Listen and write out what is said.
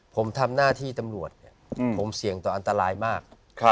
ผมทำหน้าที่ตำรวจเนี่ยผมเสี่ยงต่ออันตรายมาก